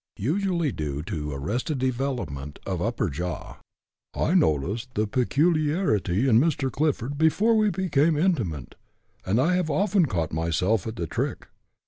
[Usually due to arrested development of upper jaw.] I noticed the peculiarity in Mr. Clifford before we became intimate, and I have often caught myself at the trick.